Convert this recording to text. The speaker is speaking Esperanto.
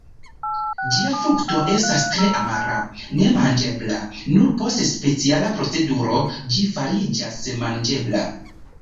Ĝia frukto estas tre amara, ne manĝebla, nur post speciala proceduro ĝi fariĝas manĝebla.